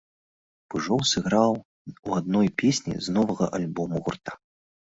Пыжоў сыграў у адной песні з новага альбома гурта.